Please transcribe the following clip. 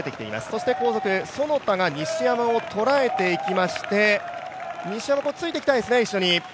そして後続、其田が西山を捉えていきまして西山、一緒についていきたいですね。